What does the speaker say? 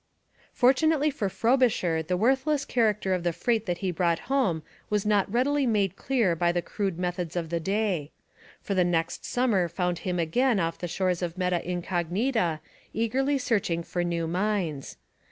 Fortunately for Frobisher the worthless character of the freight that he brought home was not readily made clear by the crude methods of the day. For the next summer found him again off the shores of Meta Incognita eagerly searching for new mines.